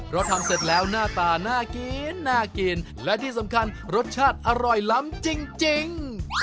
เพราะทำเสร็จแล้วหน้าตาน่ากินน่ากินและที่สำคัญรสชาติอร่อยล้ำจริง